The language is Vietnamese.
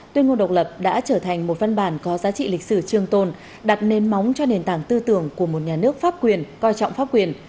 tuyên ngôn độc lập đã trở thành một văn bản có giá trị lịch sử trường tồn đặt nền móng cho nền tảng tư tưởng của một nhà nước pháp quyền coi trọng pháp quyền